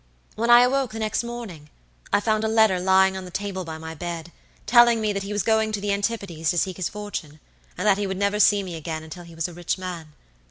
When I awoke the next morning, I found a letter lying on the table by my bed, telling me that he was going to the antipodes to seek his fortune, and that he would never see me again until he was a rich man.